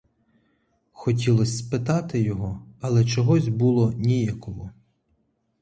Хотілось спитати його, але чогось було ніяково.